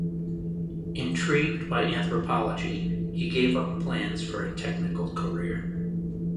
Intrigued by anthropology, he gave up plans for a technical career.